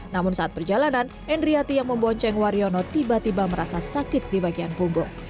namun saat perjalanan endriati yang membonceng wariono tiba tiba merasa sakit di bagian punggung